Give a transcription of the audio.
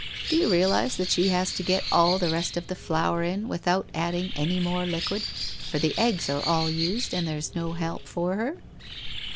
Do you realize that she has to get all the rest of that flour in, without adding any more liquid, for the eggs are all used and there's no help for her